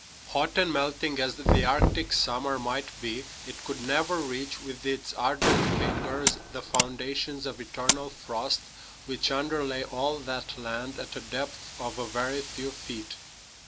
Hot and melting as the Arctic summer might be, it could never reach with its ardent fingers the foundations of eternal frost which underlay all that land at a depth of a very few feet.